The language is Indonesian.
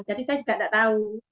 jadi saya juga tidak tahu